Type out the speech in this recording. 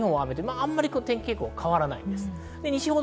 あまり天気傾向は変わらないんです。